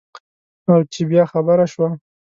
او چې بیا خبره شوه.